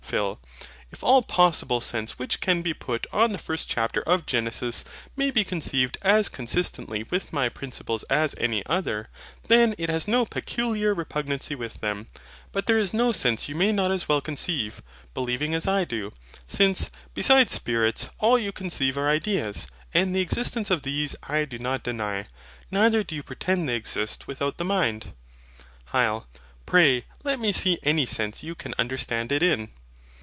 PHIL. If all possible sense which can be put on the first chapter of Genesis may be conceived as consistently with my principles as any other, then it has no peculiar repugnancy with them. But there is no sense you may not as well conceive, believing as I do. Since, besides spirits, all you conceive are ideas; and the existence of these I do not deny. Neither do you pretend they exist without the mind. HYL. Pray let me see any sense you can understand it in.